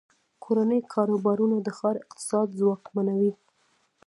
کورني کاروبارونه د ښار اقتصاد ځواکمنوي.